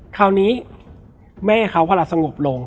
คราวนี้แม่เขาเวลาสงบลง